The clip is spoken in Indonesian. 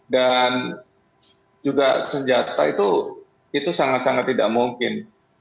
dan juga senjata itu sangat sangat tidak mungkin